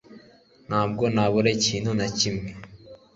ntabwo nabura ikintu na kimwe